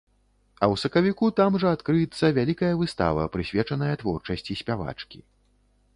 А ў сакавіку там жа адкрыецца вялікая выстава, прысвечаная творчасці спявачкі.